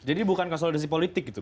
jadi bukan konsolidasi politik gitu